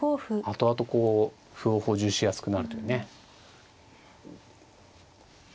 後々こう歩を補充しやすくなるというね。